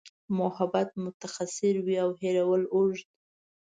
محبت مختصر وي او هېرول اوږد.